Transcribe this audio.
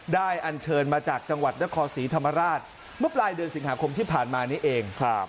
อันเชิญมาจากจังหวัดนครศรีธรรมราชเมื่อปลายเดือนสิงหาคมที่ผ่านมานี้เอง